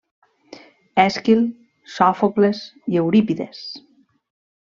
Èsquil, Sòfocles i Eurípides.